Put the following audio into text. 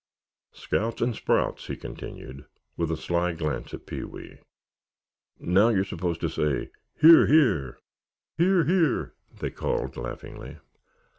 "Scouts and sprouts," he continued, with a sly glance at Pee wee; "now you're supposed to say, 'Hear, hear!'" "Hear, hear!" they called, laughingly.